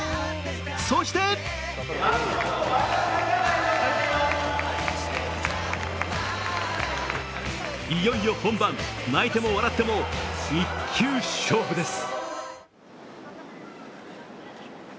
そしていよいよ本番、泣いても笑っても１球勝負です。